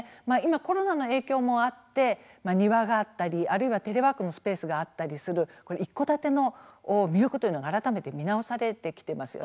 コロナの影響もあって庭があったりあるいはテレワークのスペースがあったりする一戸建ての魅力というのが改めて見直されてきています。